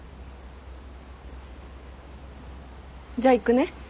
じゃあ行くね。